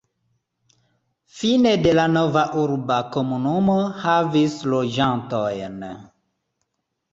Fine de la nova urba komunumo havis loĝantojn.